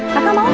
kakak mau gak